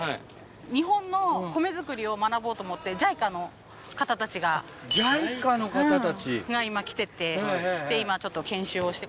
日本の米作りを学ぼうと思っＪＩＣＡの方たち。が今、来てて、今、ちょっと研修をして。